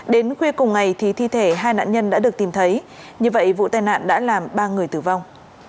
đến khuya cùng ngày thì thi thể hai nạn nhân đã được tìm thấy như vậy vụ tai nạn đã làm ba người tử vong